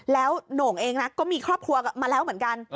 แล้วโหน่งเองนะก็มีครอบครัวมาแล้วเหมือนกัน